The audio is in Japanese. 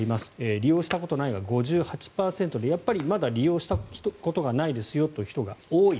利用したことないは５８％でやっぱりまだ利用したことがないですよという人が多い。